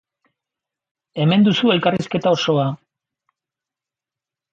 Hemen duzu elkarrizketa osoa!